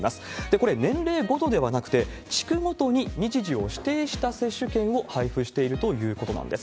これ、年齢ごとではなくて、地区ごとに日時を指定した接種券を配布しているということなんです。